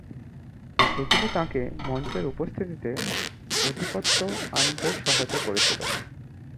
এগুলি তাঁকে মঞ্চের উপস্থিতিতে আধিপত্য আনতে সহায়তা করেছিল।